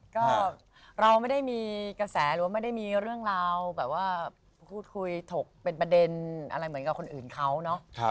ก็เราไม่ได้มีกระแสหรือว่าไม่ได้มีเรื่องราวแบบว่าพูดคุยถกเป็นประเด็นอะไรเหมือนกับคนอื่นเขาเนาะ